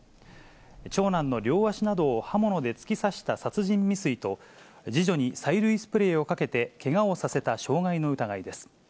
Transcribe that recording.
長男の両足などを刃物で突き刺した殺人未遂と、次女に催涙スプレーをかけて、けがをさせた傷害の疑いです。